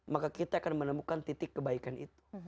maka kita akan menemukan titik kebaikan itu